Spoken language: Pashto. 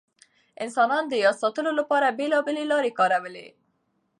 انسانان د یاد ساتلو لپاره بېلابېل لارې کاروي.